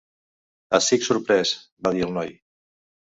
"Estic sorprès", va dir el noi.